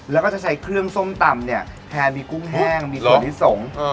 แล้วก็จะใช้เครื่องส้มตำแทนมีกุ้งแห้งหัวหริดสง